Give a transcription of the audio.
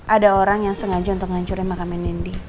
ada orang yang sengaja untuk ngancurin makam indi indi